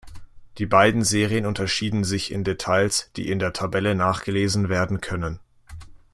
Die beiden Serien unterschieden sich in Details, die in der Tabelle nachgelesen werden können.